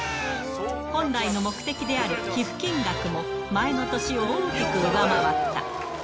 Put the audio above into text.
本来の目的である寄付金額も、前の年を大きく上回った。